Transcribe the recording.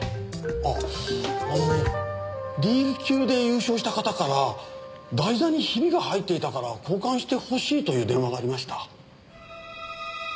あああのＤ級で優勝した方から台座にヒビが入っていたから交換してほしいという電話がありました。